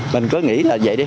mình cứ nghĩ là vậy đi